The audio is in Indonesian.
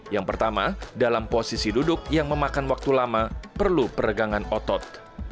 yang pertama dalam posisi duduk yang memakan waktu lama perlu peregangan otot